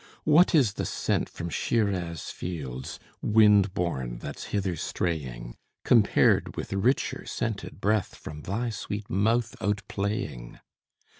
What is the scent from Shiraz' fields, wind borne, that's hither straying, Compared with richer scented breath from thy sweet mouth out playing?